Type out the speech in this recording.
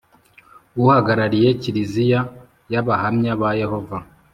Uhagarariye Kiliziya y’Abahamya ba Yehova